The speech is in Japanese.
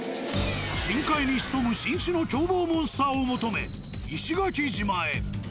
深海に潜む新種の狂暴モンスターを求め石垣島へ。